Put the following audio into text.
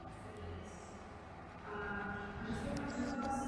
Jednotlivci se stále více uchylují ke zločinným prostředkům a medotám.